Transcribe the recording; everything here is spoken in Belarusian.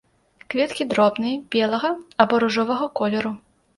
Кветкі дробныя, белага або ружовага колеру.